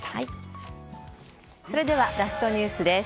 それではラストニュースです。